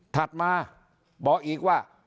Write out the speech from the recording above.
ถัดมาบอกอีกว่า